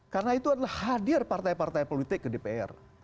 karena itu adalah hadir partai partai politik ke dpr